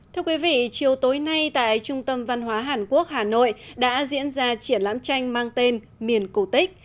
thưa quý vị chiều tối nay tại trung tâm văn hóa hàn quốc hà nội đã diễn ra triển lãm tranh mang tên miền cổ tích